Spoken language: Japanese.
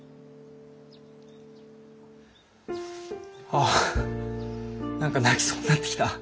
ああ何か泣きそうになってきた。